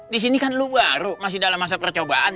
disini kan lu baru masih dalam masa percobaan